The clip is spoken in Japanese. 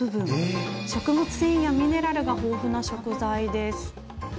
食物繊維やミネラルが豊富な食材です。